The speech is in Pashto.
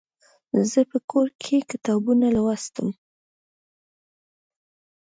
زه په کور کې کتابونه لوستم.